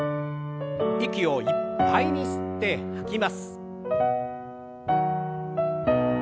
息をいっぱいに吸って吐きます。